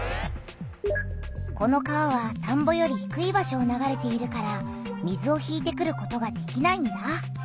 この川は田んぼよりひくい場所を流れているから水を引いてくることができないんだ！